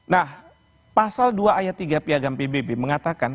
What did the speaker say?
nah pasal dua ayat tiga piagam pbb mengatakan